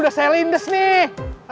udah saya lindes nih